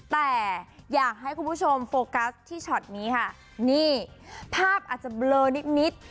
แต่อยากให้คุณผู้ชมโฟกัสที่ช็อตนี้ค่ะนี่ภาพอาจจะเบลอนิดนิด